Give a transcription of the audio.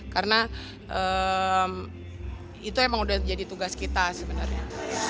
karena itu emang udah jadi tugas kita sebenarnya